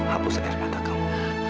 hapus air mata kamu